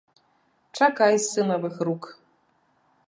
Чакай з сынавых рук.